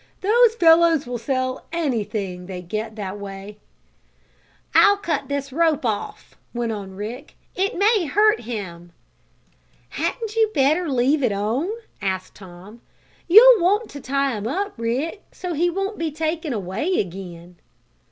"Those fellows will sell anything they get that way." "I'll cut this rope off," went on Rick. "It may hurt him." "Hadn't you better leave it on?" asked Tom. "You'll want to tie him up, Rick, so he won't be taken away again."